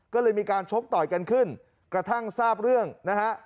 ก็เลยมีการชกต่อยกันขึ้นกระทั่งทราบเรื่องนะฮะ